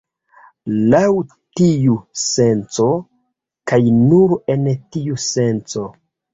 Laŭ tiu senco, kaj nur en tiu senco.